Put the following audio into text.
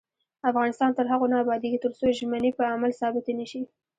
افغانستان تر هغو نه ابادیږي، ترڅو ژمنې په عمل ثابتې نشي.